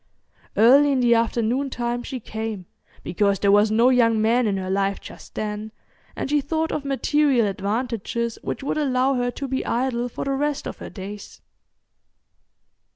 Early in the afternoon time she came, because there was no young man in her life just then, and she thought of material advantages which would allow her to be idle for the rest of her days.